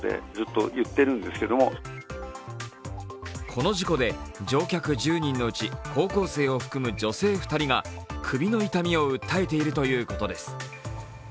この事故で乗客１０人のうち高校生を含む女性２人が首の痛みを訴えているということです。